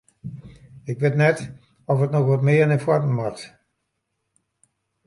Ik wit net oft it noch wat mear nei foaren moat?